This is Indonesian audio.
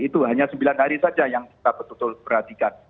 itu hanya sembilan hari saja yang kita betul betul perhatikan